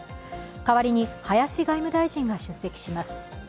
代わりに、林外務大臣が出席します。